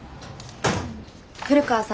古川さん。